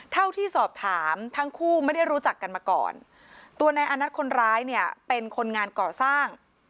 เท่าที่สอบถามทั้งคู่ไม่ได้รู้จักกันมาก่อนตัวนายอานัทคนร้ายเนี่ยเป็นคนงานก่อสร้าง